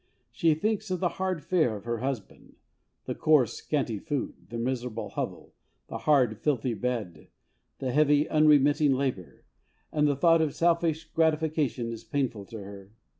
She thinks of the hard fare of her husband, the coarse, scanty food, the miserable hovel, the hard, filthy bed, the heavy, unremitting labour ; and the thought of, selfish gratification is painful to her.